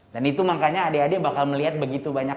dan itu makanya adik adik bakal melihat begitu banyak